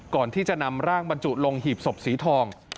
ก่อนที่จะนำร่างบรรจุลงหีบศพสีทอง